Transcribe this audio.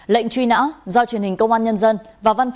lệnh truy nã do truyền hình công an nhân dân và văn phòng